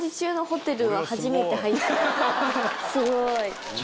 すごい。